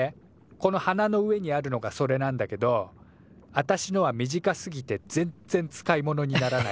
この鼻の上にあるのがそれなんだけどあたしのは短すぎてぜんっぜん使い物にならないの。